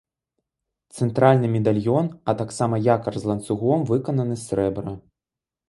Цэнтральны медальён, а таксама якар з ланцугом выкананы з срэбра.